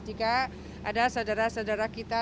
jika ada saudara saudara kita